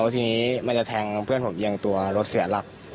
ทีนี้มันจะแทงเพื่อนผมเอียงตัวรถเสียหลัก